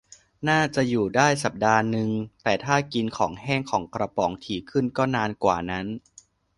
น่าจะอยู่ได้สัปดาห์นึง แต่ถ้ากินของแห้งของกระป๋องถี่ขึ้นก็นานกว่านั้น